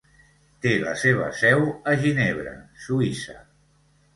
Té la seva seu a Ginebra, Suïssa.